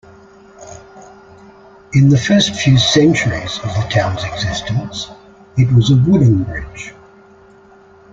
In the first few centuries of the town's existence, it was a wooden bridge.